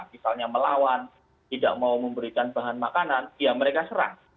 misalnya melawan tidak mau memberikan bahan makanan ya mereka serang